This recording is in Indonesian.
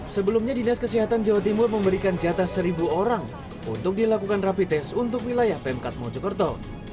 sebelumnya dinas kesehatan jawa timur memberikan jatah seribu orang untuk dilakukan rapi tes untuk wilayah pemkat mojokerto